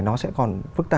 nó sẽ còn